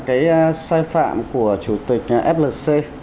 cái sai phạm của chủ tịch flc